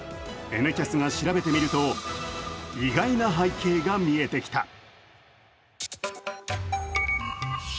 「Ｎキャス」が調べてみると、意外な背景が見えてきた。